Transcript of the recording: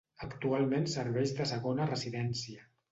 Actualment serveix de segona residència.